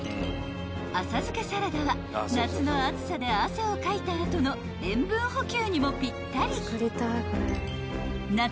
［夏の暑さで汗をかいた後の塩分補給にもぴったり］